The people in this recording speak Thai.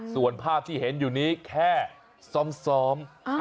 ส่วนภาพที่เห็นอยู่นี้แค่ซ้อม